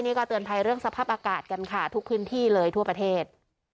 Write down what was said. นี่ก็เตือนภัยเรื่องสภาพอากาศกันค่ะทุกพื้นที่เลยทั่วประเทศ